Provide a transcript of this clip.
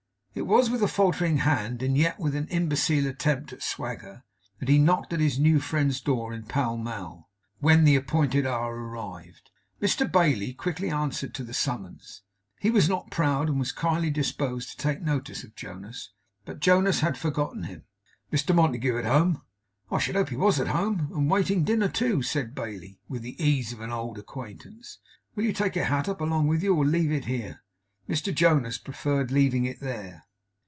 It was with a faltering hand, and yet with an imbecile attempt at a swagger, that he knocked at his new friend's door in Pall Mall when the appointed hour arrived. Mr Bailey quickly answered to the summons. He was not proud and was kindly disposed to take notice of Jonas; but Jonas had forgotten him. 'Mr Montague at home?' 'I should hope he wos at home, and waiting dinner, too,' said Bailey, with the ease of an old acquaintance. 'Will you take your hat up along with you, or leave it here?' Mr Jonas preferred leaving it there.